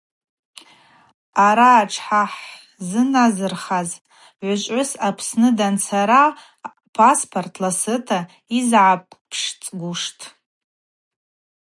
Араъа тшгӏахӏзыназырхаз хӏыгӏвычӏвгӏвыс Апсны данцара паспорт ласыта йзыпшцӏгуштӏ.